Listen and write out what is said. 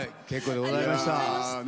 結構でございました。